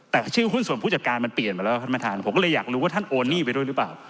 แต่ชื่อหุ้นส่วนผู้จัดการมันเปลี่ยนมาแล้วท่านประธานผมก็เลยอยากรู้ว่าท่านโอนหนี้ไปด้วยหรือเปล่า